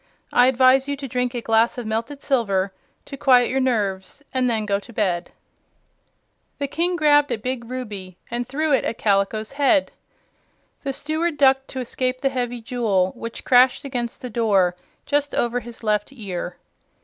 I advise you to drink a glass of melted silver, to quiet your nerves, and then go to bed." The King grabbed a big ruby and threw it at Kaliko's head. The Steward ducked to escape the heavy jewel, which crashed against the door just over his left ear.